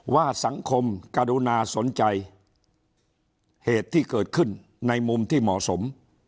ว่าสังคมกรุณาสนใจเหตุที่เกิดขึ้นในมุมที่เหมาะสม